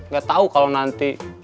gak tau kalau nanti